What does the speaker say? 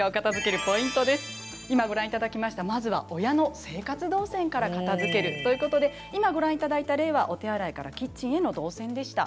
今、ご覧いただきました親の生活動線から片づけるということで今ご覧いただいた例はお手洗いからキッチンへの動線でした。